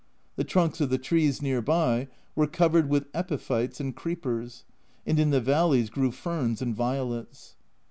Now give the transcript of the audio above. The trunks of the trees near by were covered with epiphytes and creepers, and in the valleys grew ferns and violets.